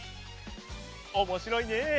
おもしろいね。